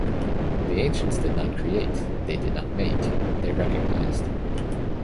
The ancients did not create, they did not make; they recognized.